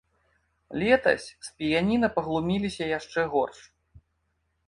Летась з піяніна паглуміліся яшчэ горш.